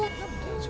nyusahin aja itu